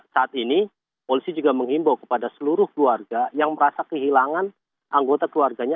saat ini polisi juga menghimbau kepada seluruh keluarga yang merasa kehilangan anggota keluarganya